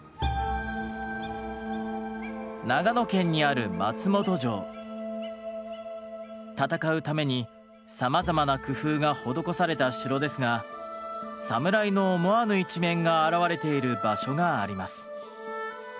長野県にある戦うためにさまざまな工夫が施された城ですがサムライの思わぬ一面が表れている場所があります。